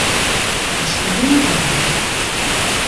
Ǧǧet-iyi ad ɛeddiɣ.